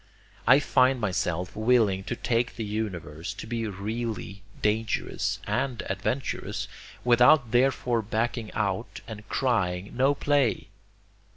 I find myself willing to take the universe to be really dangerous and adventurous, without therefore backing out and crying 'no play.'